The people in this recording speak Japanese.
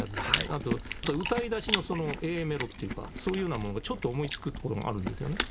あと歌いだしのＡメロっていうかそういうようなものがちょっと思い付くところもあるんですよね。